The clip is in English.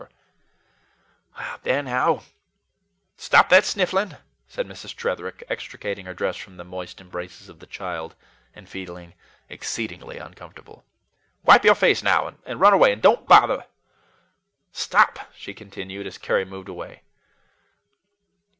"There now stop that sniffling," said Mrs. Tretherick, extricating her dress from the moist embraces of the child and feeling exceedingly uncomfortable. "Wipe your face now, and run away, and don't bother. Stop," she continued, as Carry moved away.